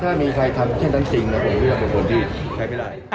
ถ้ามีใครทำเช่นตั้งจริงผมคิดว่าคนที่ใช้ไม่ได้